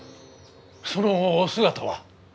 そのお姿は？